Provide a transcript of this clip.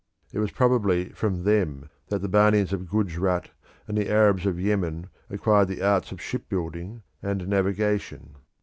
It was probably from them that the Banians of Gujrat and the Arabs of Yemen acquired the arts of shipbuilding and navigation.